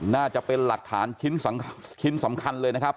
น่าจะเป็นหลักฐานชิ้นสำคัญเลยนะครับ